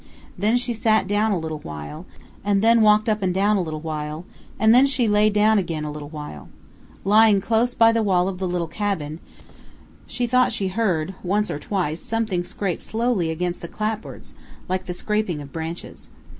Then she sat down a little while, and then walked up and down a little while, and then she lay down again a little while. Lying close by the wall of the little cabin, she thought she heard once or twice something scrape slowly against the clapboards, like the scraping of branches.